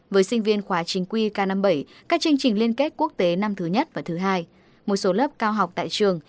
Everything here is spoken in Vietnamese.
với sinh viên khóa chính quy k năm mươi bảy các chương trình liên kết quốc tế năm thứ nhất và thứ hai một số lớp cao học tại trường